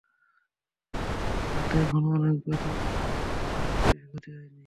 হাতে এখনো অনেক ব্যথা, তবে আশা করি খুব বেশি ক্ষতি হয়নি।